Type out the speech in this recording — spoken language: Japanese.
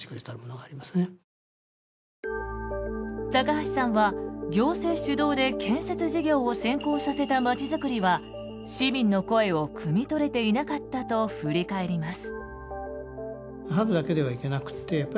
橋さんは行政主導で建設事業を先行させたまちづくりは市民の声をくみ取れていなかったと振り返ります。